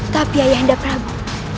tapi ayah anda prabu